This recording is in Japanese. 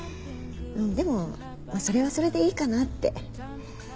でもまあそれはそれでいいかなって。